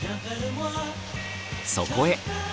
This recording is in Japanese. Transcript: そこへ。